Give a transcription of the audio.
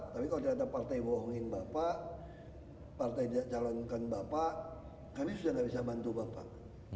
tapi kalau ternyata partai bohongin bapak partai calonkan bapak kami sudah tidak bisa bantu bapak